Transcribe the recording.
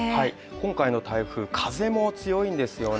今回の台風風も強いんですよ